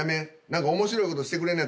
「何か面白いことしてくれんね